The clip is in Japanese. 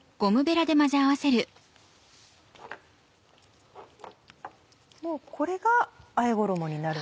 もうこれがあえ衣になる。